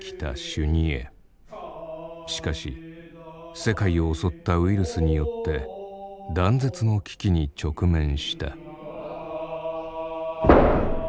しかし世界を襲ったウイルスによって断絶の危機に直面した。